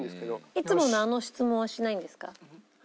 いつものあの質問はしないんですか？